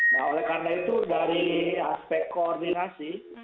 nah oleh karena itu dari aspek koordinasi